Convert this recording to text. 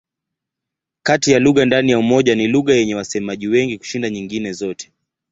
Kati ya lugha ndani ya Umoja ni lugha yenye wasemaji wengi kushinda nyingine zote.